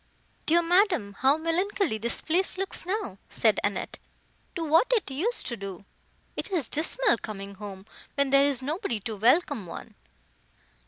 "Dear madam, how melancholy this place looks now," said Annette, "to what it used to do! It is dismal coming home, when there is nobody to welcome one!"